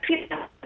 nah siap semua kita